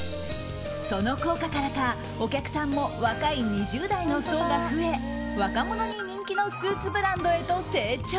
その効果からか、お客さんも若い２０代の層が増え若者に人気のスーツブランドへと成長。